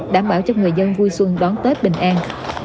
đảm bảo cho người dân vui xuân đón tết bình an